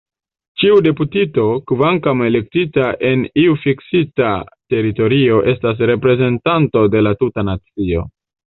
Ĉiu deputito, kvankam elektita en iu fiksita teritorio, estas reprezentanto de la tuta nacio.